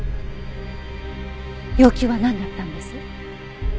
要求はなんだったんです？